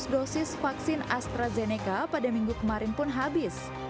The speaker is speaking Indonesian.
dua ratus dosis vaksin astrazeneca pada minggu kemarin pun habis